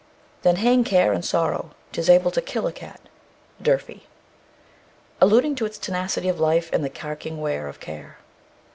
_ "Then hang care and sorrow, 'Tis able to kill a cat." D'URFEY. Alluding to its tenacity of life and the carking wear of care.